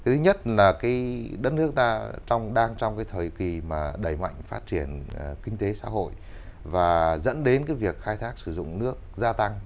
thứ nhất là đất nước ta đang trong thời kỳ đầy mạnh phát triển kinh tế xã hội và dẫn đến việc khai thác sử dụng nước gia tăng